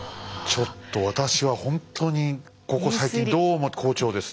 ちょっと私は本当にここ最近どうも好調です。